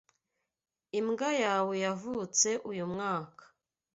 Imbwa yawe yavutse uyu mwaka.